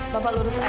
bapak lurus aja dan